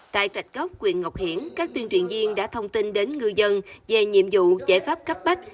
tại rạch gốc huyện ngọc hiển các tuyên truyền viên đã thông tin đến ngư dân về nhiệm vụ giải pháp cấp bách